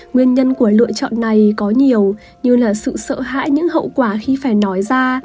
nguyên nhân của lựa chọn này có nhiều như là sự sợ hãi những hậu quả khi phải nói ra